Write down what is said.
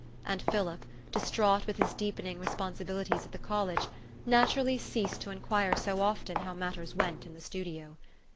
And Philip, distraught with his deepening respon sibilities at the college, naturally ceased to inquire so often how matters went in the studio.